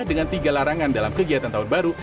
dengan tiga larangan dalam kegiatan tahun baru